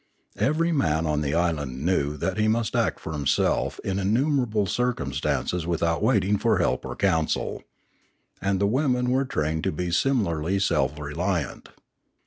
Every man on the island knew that he must act for himself in innumerable circumstances without waiting for help or counsel. And the women were trained to be similarly self reliant.